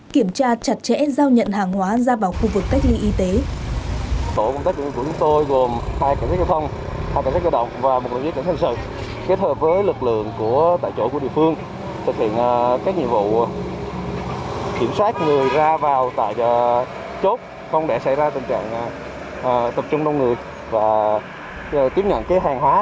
kiểm tra chặt chẽ giao nhận hàng hóa ra vào khu vực cách ly y tế